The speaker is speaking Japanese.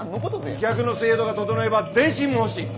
飛脚の制度が整えば電信も欲しい。